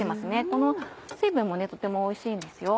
この水分もとてもおいしいんですよ。